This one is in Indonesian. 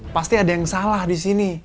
pasti ada yang salah disini